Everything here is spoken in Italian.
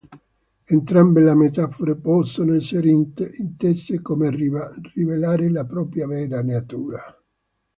Entrambe le metafore possono essere intese come "rivelare la propria vera natura".